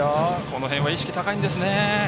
この辺は意識が高いんですね。